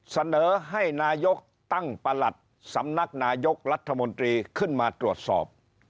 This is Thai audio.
เสนอให้นายกตั้งประหลัดสำนักนายกรัฐมนตรีขึ้นมาตรวจสอบ